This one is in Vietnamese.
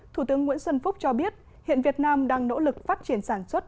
thủ tướng nguyễn xuân phúc cho biết hiện việt nam đang nỗ lực phát triển sản xuất